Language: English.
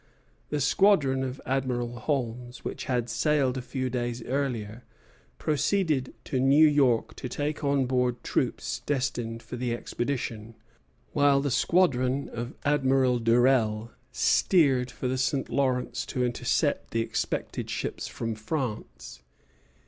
The squadron of Admiral Holmes, which had sailed a few days earlier, proceeded to New York to take on board troops destined for the expedition, while the squadron of Admiral Durell steered for the St. Lawrence to intercept the expected ships from France.